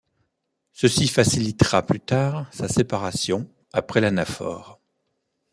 Ceci facilitera plus tard sa séparation après l'anaphore.